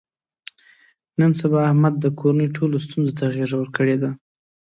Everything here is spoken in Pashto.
نن سبا احمد د کورنۍ ټولو ستونزو ته غېږه ورکړې ده.